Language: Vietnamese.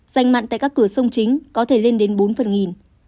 dành mặn tại các cửa sông chính có thể lên đến bốn phần nghìn